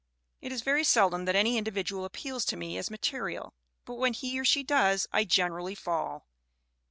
It is very seldom that any individual appeals to me as material, but when he or she does, I generally fall.